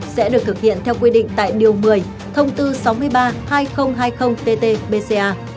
sẽ được thực hiện theo quy định tại điều một mươi thông tư sáu mươi ba hai nghìn hai mươi tt bca